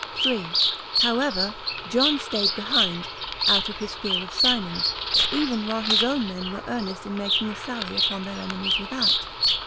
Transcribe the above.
3. However, John staid behind, out of his fear of Simon, even while his own men were earnest in making a sally upon their enemies without.